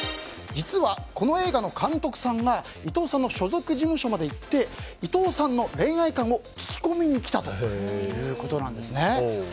実はこの映画の監督さんが伊藤さんの所属事務所まで行って伊藤さんの恋愛観を聞き込みに来たということです。